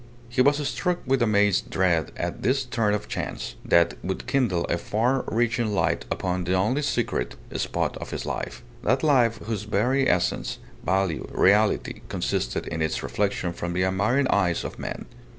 He was struck with amazed dread at this turn of chance, that would kindle a far reaching light upon the only secret spot of his life; that life whose very essence, value, reality, consisted in its reflection from the admiring eyes of men.